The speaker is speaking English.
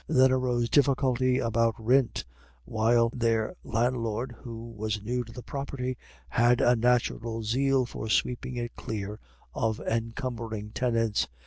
Then arose difficulties about "rint," while their landlord, who was new to the property, had a natural zeal for sweeping it clear of encumbering tenants.